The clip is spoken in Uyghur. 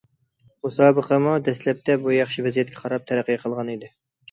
مۇسابىقىمۇ دەسلەپتە بۇ ياخشى ۋەزىيەتكە قاراپ تەرەققىي قىلغان ئىدى.